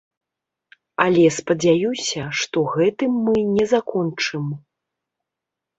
Але спадзяюся, што гэтым мы не закончым.